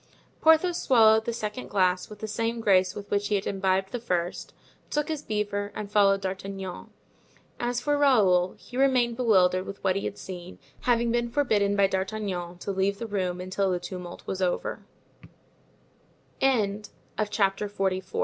Porthos swallowed the second glass with the same grace with which he had imbibed the first, took his beaver and followed D'Artagnan. As for Raoul, he remained bewildered with what he had seen, having been forbidden by D'Artagnan to leave the room until the tumult was over. Chapter XLV.